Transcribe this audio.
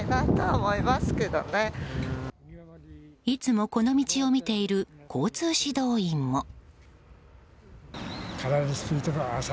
いつもこの道を見ている交通指導員も。